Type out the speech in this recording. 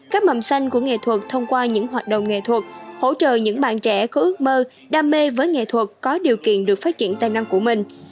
các mầm xanh của nghệ thuật thông qua những hoạt động nghệ thuật hỗ trợ những bạn trẻ có ước mơ đam mê với nghệ thuật có điều kiện được phát triển tài năng của mình